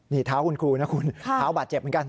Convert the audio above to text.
นี่เท้าคุณครูนะคุณเท้าบาดเจ็บเหมือนกัน